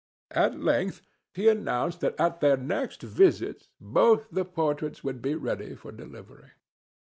At length he announced that at their next visit both the portraits would be ready for delivery.